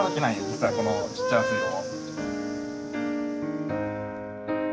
実はこのちっちゃな水路。